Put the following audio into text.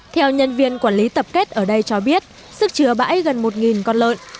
theo nhân viên quản lý tập kết ở đây cho biết sức chứa bãi gần một con lợn